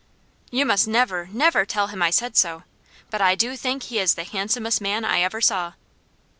"You must never, never tell him I said so, but I do think he is the handsomest man I ever saw."